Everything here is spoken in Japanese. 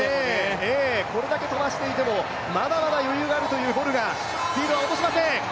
これだけ飛ばしても、まだまだ余裕があるというボルがスピードは落としません。